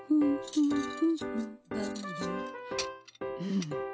うん。